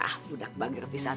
ah mudak bagi kepisan